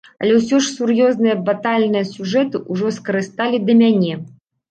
Але ўсе сур'ёзныя батальныя сюжэты ўжо скарысталі да мяне.